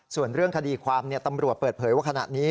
ส่วนเรื่องคดีความตำรวจเปิดเผยว่าขณะนี้